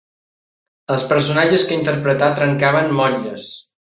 Els personatges que interpretà trencaven motlles.